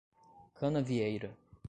Canavieira